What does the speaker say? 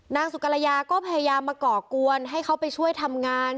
นางสุกรยาก็พยายามมาก่อกวนให้เขาไปช่วยทำงาน